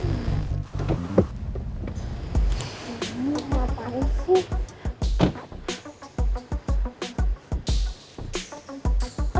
oh ini apaan sih